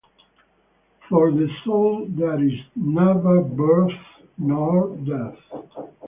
For the soul there is never birth nor death.